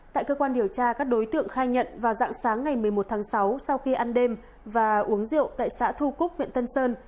tại cơ quan điều tra các đối tượng khai nhận vào dạng sáng ngày một mươi một tháng sáu sau khi ăn đêm và uống rượu tại xã thu cúc huyện tân sơn